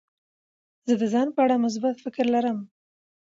زه د ځان په اړه مثبت فکر لرم.